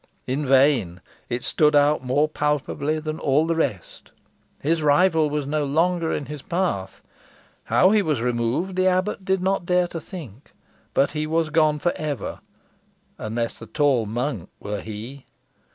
In vain. It stood out more palpably than all the rest. His rival was no longer in his path. How he was removed the abbot did not dare to think. But he was gone for ever, unless the tall monk were he!